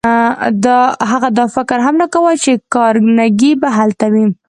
هغه دا فکر هم نه کاوه چې کارنګي به هلته وي.